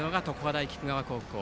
大菊川高校。